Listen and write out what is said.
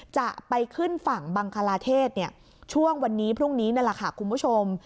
จะไปขึ้นฝั่งบังคลาเทศช่วงวันนี้พรุ่งนี้นั่นแหละค่ะคุณผู้ชม